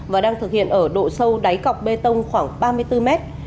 và đang thực hiện ở độ sâu đáy cọc bê tông khoảng ba mươi bốn mét